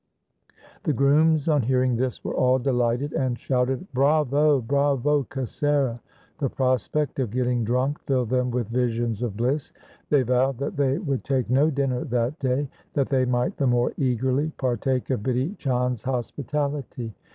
The grooms on hearing this were all delighted and shouted ' Bravo ! Bravo Kasera !' The prospect of getting drunk filled them with visions of bliss. They vowed that they would take no dinner that day, that they might the more eagerly partake of Bidhi Chand's hospitality.